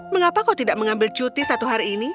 mengapa kau tidak mengambil cuti satu hari ini